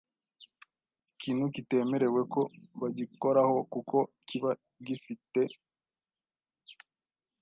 ikintu kitemerewe ko bagikoraho kuko kiba gi fi te,